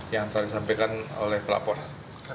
yang telah disampaikan oleh pelaporan